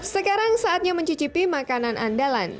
sekarang saatnya mencicipi makanan andalan